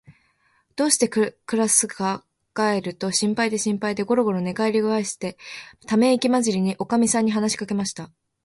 どうしてくらすかかんがえると、心配で心配で、ごろごろ寝がえりばかりして、ためいきまじりに、おかみさんに話しかけました。